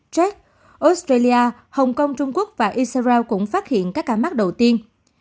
jet australia hồng kông trung quốc và israel cũng phát hiện các ca mắc đầu tiên